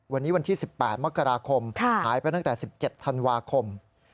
วันนี้วันที่๑๘มกราคมหายไปตั้งแต่๑๗ธันวาคม